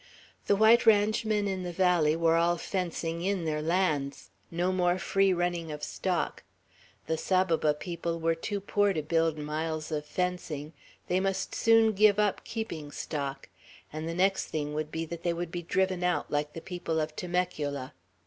The white ranchmen in the valley were all fencing in their lands; no more free running of stock. The Saboba people were too poor to build miles of fencing; they must soon give up keeping stock; and the next thing would be that they would be driven out, like the people of Temecula.